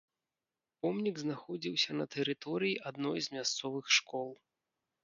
Помнік знаходзіўся на тэрыторыі адной з мясцовых школ.